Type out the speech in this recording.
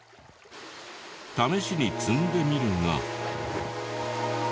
試しに積んでみるが。